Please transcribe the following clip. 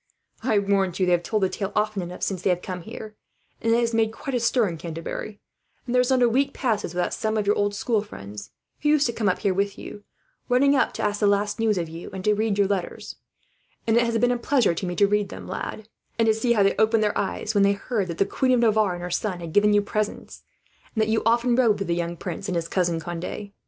"I warrant you they have told the tale often enough since they have come here; and it has made quite a stir in Canterbury, and there is not a week passes without some of your old school friends, who used to come up here with you, running up to ask the last news of you, and to hear your letters read; and it has been a pleasure to me to read them, lad, and to see how they opened their eyes when they heard that the Queen of Navarre and her son had given you presents, and that you often rode with the young prince, and his cousin Conde.